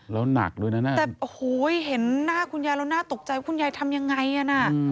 แล้วหนักด้วยนะแต่โอ้โหเห็นหน้าคุณยายแล้วน่าตกใจว่าคุณยายทำยังไงอ่ะน่ะ